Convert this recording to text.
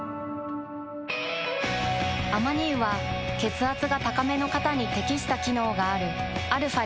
アマニ油は血圧が高めの方に適した機能があるαー